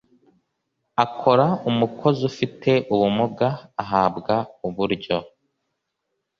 akora umukozi ufite ubumuga ahabwa uburyo